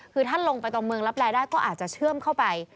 คือถ้าลงไปตรงเมืองรับแร่ได้ก็อาจจะเชื่อมเข้าไป